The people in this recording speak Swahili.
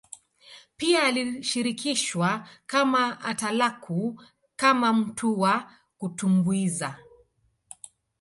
Pia alishirikishwa kama atalaku kama mtu wa kutumbuiza